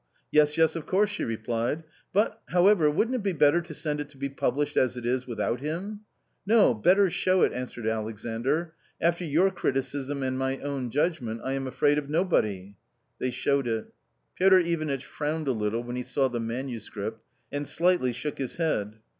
" Yes, yes, of course, she replied," but, however, wouldn't it be better to send it to be published as it is without him ?"" No, better show it !" answered Alexandr ;" after your criticism, and my own judgment, I am afraid of nobody." They showed it. Piotr Ivanitch frowned a little when he saw the manuscript and slightly shook his head.